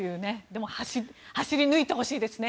でも、走り抜いてほしいですね。